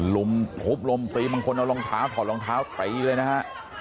ลุบลมปิมพนิดคนเอารองเท้าถอดรองเท้าไปเลยนะฮะ